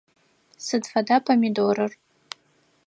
Сыд фэда помидорыр?